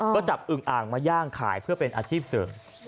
ก็จับอึงอ่างมาย่างขายเพื่อเป็นอาชีพเสริม